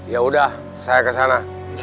yaudah saya kesana